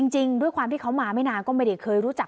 จริงด้วยความที่เขามาไม่นานก็ไม่ได้เคยรู้จัก